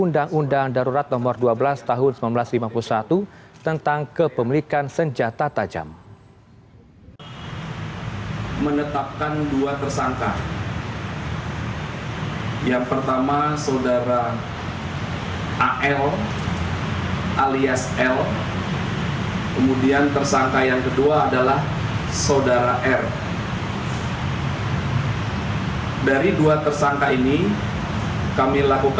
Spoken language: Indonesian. undang undang darurat nomor dua belas tahun seribu sembilan ratus lima puluh satu tentang kepemilikan senjata tajam